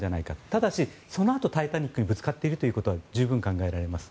ただし、そのあと「タイタニック」にぶつかっているということは十分考えられます。